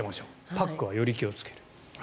パックはより気をつける。